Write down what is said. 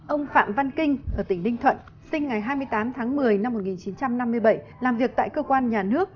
ông phạm văn kinh ở tỉnh ninh thuận sinh ngày hai mươi tám tháng một mươi năm một nghìn chín trăm năm mươi bảy làm việc tại cơ quan nhà nước